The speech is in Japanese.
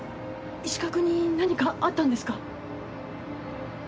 石川君に何かあったんですか？